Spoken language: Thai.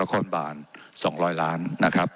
ว่าการกระทรวงบาทไทยนะครับ